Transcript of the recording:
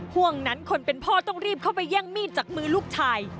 ห่วงนั้นคนเป็นพ่อต้องรีบเข้าไปแย่งมีดจากมือลูกชาย